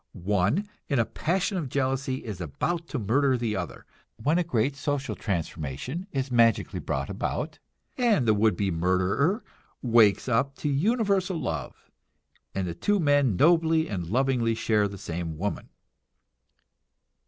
One in a passion of jealousy is about to murder the other, when a great social transformation is magically brought about, and the would be murderer wakes up to universal love, and the two men nobly and lovingly share the same woman.